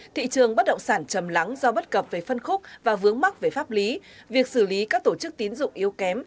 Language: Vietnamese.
thị trường bất động sản chầm lắng do bất cập về phân khúc và vướng mắc về pháp lý việc xử lý các tổ chức tín dụng yếu kém